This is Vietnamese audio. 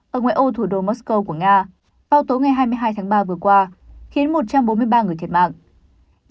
ở ngoại ô thủ đô mosco của nga vào tối ngày hai mươi hai tháng ba vừa qua khiến một trăm bốn mươi ba người thiệt mạng